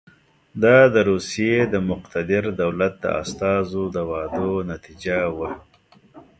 دا د روسیې د مقتدر دولت د استازو د وعدو نتیجه وه.